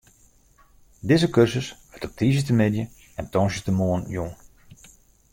Dizze kursus wurdt op tiisdeitemiddei en tongersdeitemoarn jûn.